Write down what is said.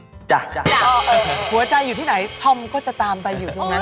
ลักตรงนี้ตกลงสุดท้ายก็ไป